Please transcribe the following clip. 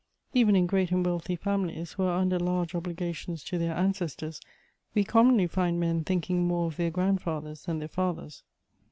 Even in great and wealthy families who are under large obligations to their ancestors, we commonly find men thinking more of their grandfathers than their fathers.